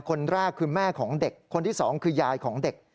คนแรกคือแม่ของเด็กคนที่สองคือยายของเด็ก